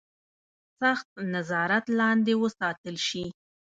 سخت نظارت لاندې وساتل شي.